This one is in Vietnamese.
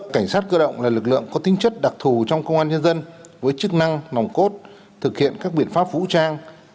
cảnh sát cơ động là lực lượng có tính chất đặc thù trong công an nhân dân với chức năng nòng cốt thực hiện các biện pháp vũ trang